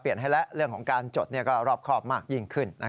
ให้แล้วเรื่องของการจดก็รอบครอบมากยิ่งขึ้น